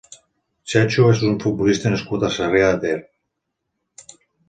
Chechu és un futbolista nascut a Sarrià de Ter.